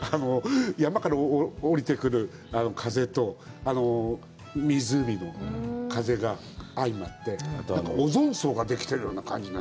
山から下りてくる風と、湖の風が相まってオゾン層ができてるような感じで。